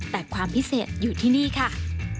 แต่ความพิเศษอยู่ที่นี่ค่ะ